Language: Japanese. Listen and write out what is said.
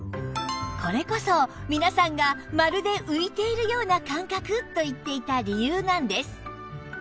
これこそ皆さんがまるで浮いているような感覚と言っていた理由なんです